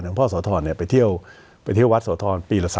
หลวงพ่อโสธรไปเที่ยววัดโสธร